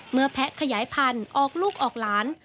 แพะขยายพันธุ์ออกลูกออกหลาน